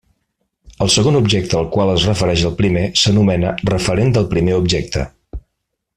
El segon objecte al qual es refereix el primer s'anomena referent del primer objecte.